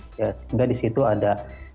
sehingga di situ ada